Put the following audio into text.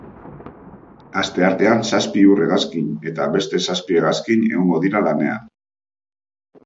Asteartean zazpi ur-hegazkin eta beste zazpi hegazkin egongo dira lanean.